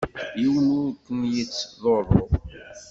Yiwen ur k-yettḍurru.